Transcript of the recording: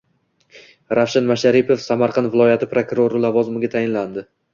Ravshan Masharipov Samarqand viloyati prokurori lavozimiga tayinlandi